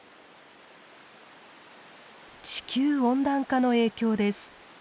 地球温暖化の影響です。